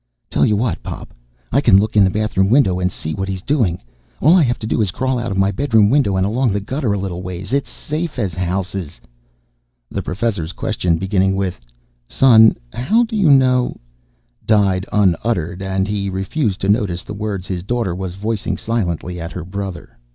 "Tell you what, Pop I can look in the bathroom window and see what he's doing. All I have to do is crawl out my bedroom window and along the gutter a little ways. It's safe as houses." The Professor's question beginning with, "Son, how do you know " died unuttered and he refused to notice the words his daughter was voicing silently at her brother.